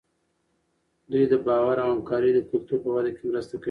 دوی د باور او همکارۍ د کلتور په وده کې مرسته کوي.